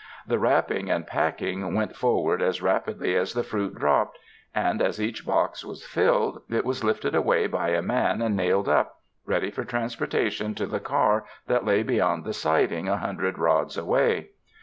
The wrapping and pack ing went forward as rapidly as the fruit dropped, and as each box was filled, it was lifted away by a man and nailed up, ready for transportation to the car that lay upon the siding a hundred rods away.